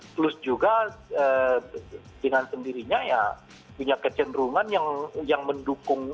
plus juga dengan sendirinya ya punya kecenderungan yang mendukung